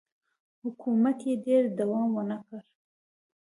حکومت یې ډېر دوام ونه کړ.